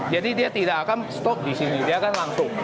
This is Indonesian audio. jadi dia tidak akan stop di sini dia akan langsung